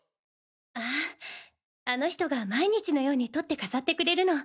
ああの人が毎日のように撮って飾ってくれるの。